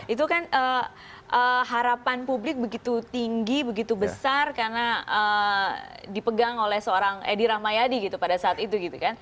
itu kan harapan publik begitu tinggi begitu besar karena dipegang oleh seorang edi rahmayadi gitu pada saat itu gitu kan